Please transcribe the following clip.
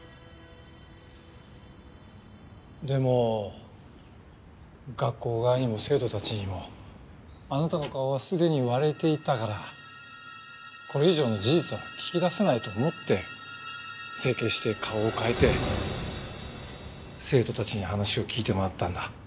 でも学校側にも生徒たちにもあなたの顔はすでに割れていたからこれ以上の事実は聞き出せないと思って整形して顔を変えて生徒たちに話を聞いて回ったんだ。